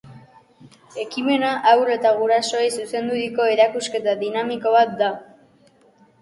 Ekimena haur eta gurasoei zuzenduriko erakusketa dinamiko bat da.